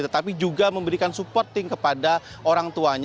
tetapi juga memberikan support